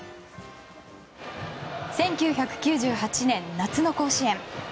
１９９８年、夏の甲子園。